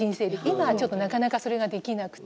今は、なかなかそれができなくて。